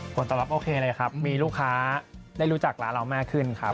ผลตอบรับโอเคเลยครับมีลูกค้าได้รู้จักร้านเรามากขึ้นครับ